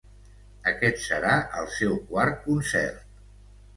Aquest serà el seu quart concert.